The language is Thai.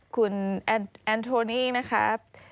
คุณแอนโทนี่นะครับ